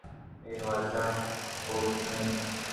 اے واجہءِ کوٹی اِنت